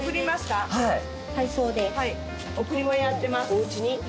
おうちに？